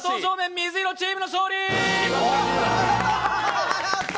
水色チーム、勝利！